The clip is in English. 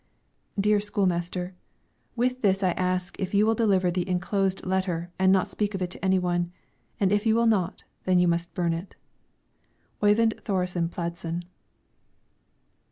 DEAR SCHOOL MASTER, With this I ask if you will deliver the inclosed letter and not speak of it to any one. And if you will not, then you must burn it. OYVIND THORESEN PLADSEN.